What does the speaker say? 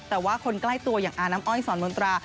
แต่ว่าคนใกล้ตัวอย่างอาน้ำอ้อยสอนมนตรา